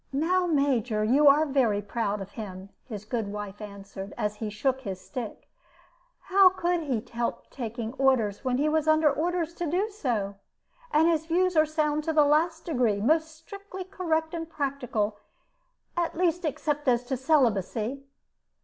"Now, Major, you are very proud of him," his good wife answered, as he shook his stick. "How could he help taking orders when he was under orders to do so? And his views are sound to the last degree, most strictly correct and practical at least except as to celibacy."